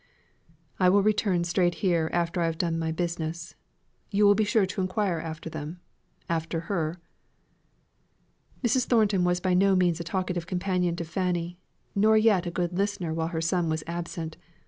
"I will return straight here after I have done my business. You will be sure to enquire after them? after her?" Mrs. Thornton was by no means a talkative companion to Fanny, nor yet a good listener while her son was absent.